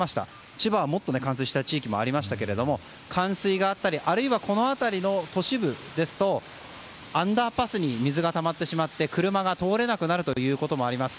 千葉はもっと冠水した地域もありましたけれども冠水があったりあるいはこの辺りの都市部ですとアンダーパスに水がたまってしまって車が通れなくなることもあります。